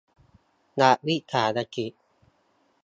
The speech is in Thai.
รัฐวิสาหกิจ